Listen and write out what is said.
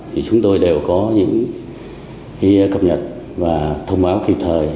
thì chúng tôi đều có những cập nhật và thông báo kịp thời